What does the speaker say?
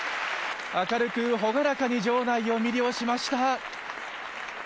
明るく朗らかに場内を魅了しました。